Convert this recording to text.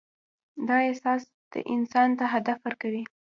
دا احساس انسان ته هدف ورکوي.